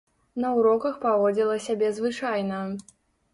На уроках паводзіла сябе звычайна.